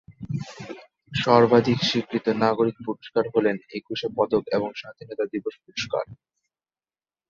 সর্বাধিক স্বীকৃত নাগরিক পুরস্কার হলেন একুশে পদক এবং স্বাধীনতা দিবস পুরস্কার।